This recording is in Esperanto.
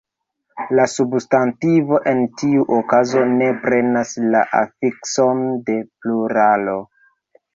La substantivo en tiu okazo ne prenas la afikson de pluralo.